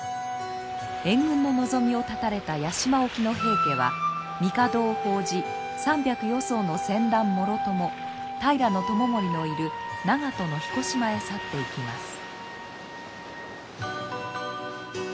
援軍の望みを断たれた屋島沖の平家は帝を奉じ３００余そうの船団もろとも平知盛のいる長門の彦島へ去っていきます。